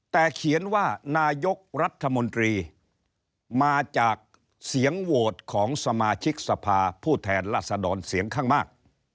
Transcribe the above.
แต่เขียนว่านายกรัฐมนตรีมาจากเสียงโหวตของสมาชิกสภาผู้แทนรัศดรเสียงข้างมาก